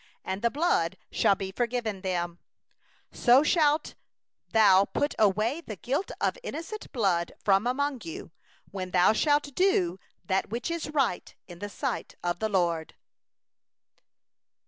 And the blood shall be forgiven them. 9So shalt thou put away the innocent blood from the midst of thee, when thou shalt do that which is right in the eyes of the LORD.